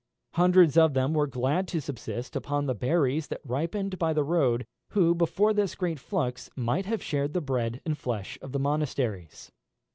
Hundreds of them were glad to subsist upon the berries that ripened by the road, who, before this great flux, might have shared the bread and flesh of the monasteries.